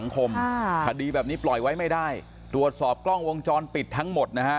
คดีแบบนี้ปล่อยไว้ไม่ได้ตรวจสอบกล้องวงจรปิดทั้งหมดนะฮะ